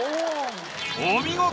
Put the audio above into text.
お見事！